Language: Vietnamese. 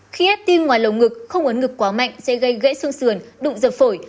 khi êt tim ngoài lồng ngực không ấn ngực quá mạnh sẽ gây gãy xương xườn đụng dập phổi